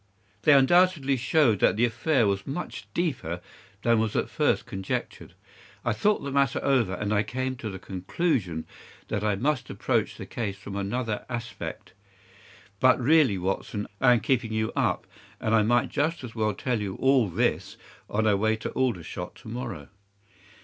They undoubtedly showed that the affair was much deeper than was at first conjectured. I thought the matter over, and I came to the conclusion that I must approach the case from another aspect. But really, Watson, I am keeping you up, and I might just as well tell you all this on our way to Aldershot to morrow."